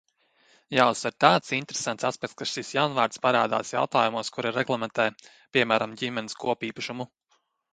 Jāuzsver tāds interesants aspekts, ka šis jaunvārds parādās jautājumos, kuri reglamentē, piemēram, ģimenes kopīpašumu.